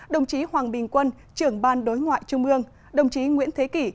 đồng chí hoàng bình quân trưởng ban đối ngoại trung ương đồng chí nguyễn thế kỷ